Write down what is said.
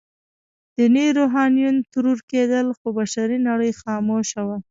ديني روحانيون ترور کېدل، خو بشري نړۍ خاموشه وه.